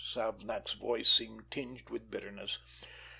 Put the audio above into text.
Savnak's voice seemed tinged with bitterness.